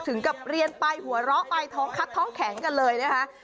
ถึงกับเรียนไปหัวเราะไปท้องคัดท้องแข็งกันเลยนะคะ